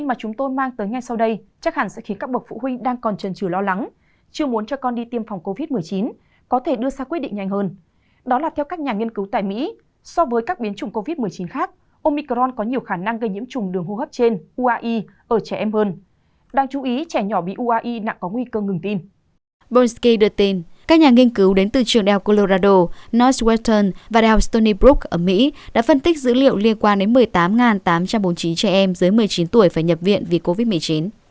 bonsky đưa tin các nhà nghiên cứu đến từ trường đại học colorado northwestern và đại học stony brook ở mỹ đã phân tích dữ liệu liên quan đến một mươi tám tám trăm bốn mươi chín trẻ em dưới một mươi chín tuổi phải nhập viện vì covid một mươi chín